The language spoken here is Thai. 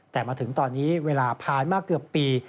แต่มาถึงตอนนี้เวลาผ่านมาเกือบปี